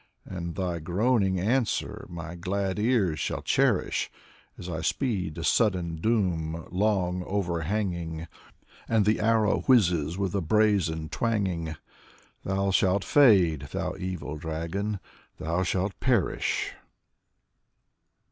And thy groaning answer my glad ears shall cherish As I speed the sudden doom long overhanging, And the arrow whizzes with a brazen twanging. Thou shalt fade, thou evil dragon, thou shalt perish.